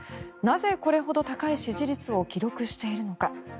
なぜこれほど高い支持率を記録しているのか。